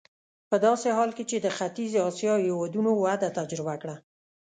په داسې حال کې چې د ختیځې اسیا هېوادونو وده تجربه کړه.